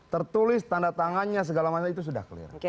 tertulis tanda tangannya segala macam itu sudah clear